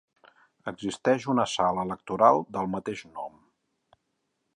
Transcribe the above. Existeix una sala electoral del mateix nom.